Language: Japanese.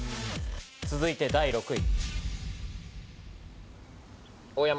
続いて第６位。